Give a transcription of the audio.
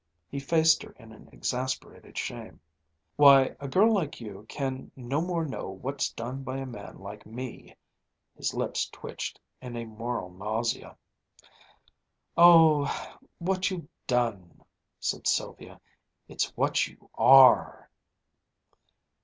He faced her in an exasperated shame. "Why, a girl like you can no more know what's done by a man like me ..." his lips twitched in a moral nausea. "Oh ... what you've done ..." said Sylvia ... "it's what you are!"